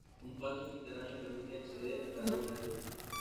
Un paso subterráneo permite acceder a cada una de ellas.